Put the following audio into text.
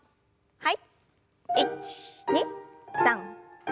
はい。